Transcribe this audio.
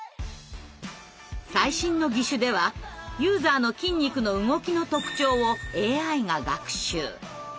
最新の義手ではユーザーの筋肉の動きの特徴をＡＩが学習。